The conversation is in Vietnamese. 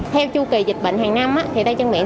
theo chu kỳ dịch bệnh hàng năm thì tay chân miệng